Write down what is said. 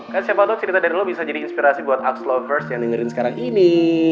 kan siapa tau cerita dari lo bisa jadi inspirasi buat ux lovers yang dengerin sekarang ini